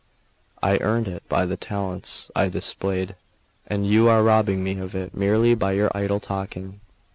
I earned it by the talents I displayed, and you are robbing me of it merely by your idle talking."